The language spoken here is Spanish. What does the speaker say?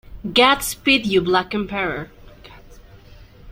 Godspeed You Black Emperor!